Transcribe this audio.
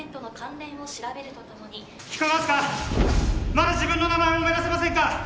まだ自分の名前思い出せませんか？